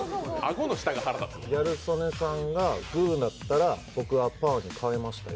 ギャル曽根さんがグーだったら僕はパーに変えましたよ。